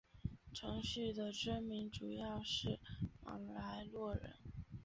城市的居民主要是马来诺人。